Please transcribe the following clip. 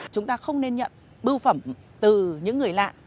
chúng ta không nên nhận bưu phẩm từ những người lạ